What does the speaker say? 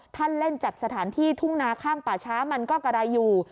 ท่านเล่นจัดสถานที่ทุ่งนาข้างป่าช้ามันก็กระดายอยู่